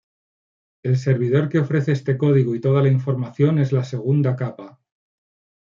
El servidor que ofrece este código y toda la información es la segunda capa.